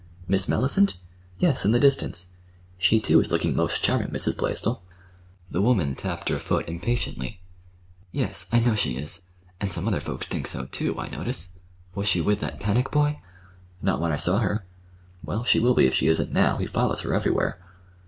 "Miss Mellicent? Yes, in the distance. She, too is looking most charming, Mrs. Blaisdell." The woman tapped her foot impatiently. "Yes, I know she is—and some other folks so, too, I notice. Was she with that Pennock boy?" "Not when I saw her." "Well, she will be, if she isn't now. He follows her everywhere."